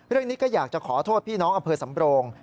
เรื่องนี้ก็อยากจะขอโทษพี่น้องอำเภอสำโรง